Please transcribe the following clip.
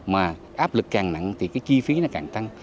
mà áp lực càng nặng thì cái chi phí nó càng tăng